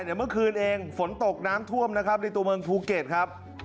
เมื่อคืนเองฝนตกน้ำท่วมนะครับในตัวเมืองภูเก็ตครับ